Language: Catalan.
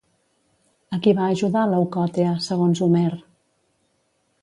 A qui va ajudar Leucòtea, segons Homer?